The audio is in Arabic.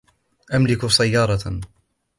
أملك سيارةً.